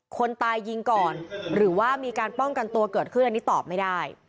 คนตายยิงก่อนหรือว่ามีการป้องกันตัวเกิดขึ้นอันนี้ตอบไม่ได้